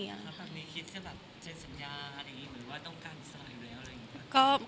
ความปลอดภัย